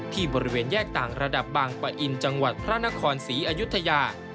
บริเวณแยกต่างระดับบางปะอินจังหวัดพระนครศรีอยุธยา